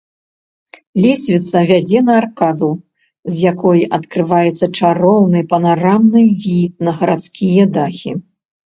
Лесвіца вядзе на аркаду, з якой адкрываецца чароўны панарамны від на гарадскія дахі.